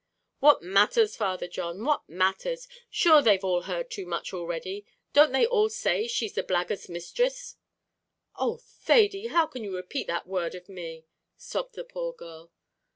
"What matthers, Father John; what matthers? Shure they've all heard too much already; don't they all say she's the blackguard's misthress?" "Oh, Thady, how can you repeat that word of me?" sobbed the poor girl.